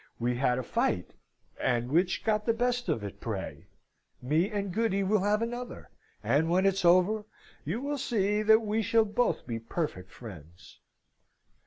We had a fight, and which got the best of it, pray? Me and Goody will have another, and when it is over, you will see that we shall both be perfect friends!"